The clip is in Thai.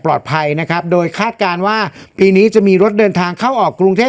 นะครับโดยคาดการณ์ว่าปีนี้จะมีรถเดินทางเข้าออกกรุงเทพ